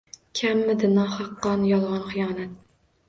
Kammidi nohaq qon, yolg’on, xiyonat?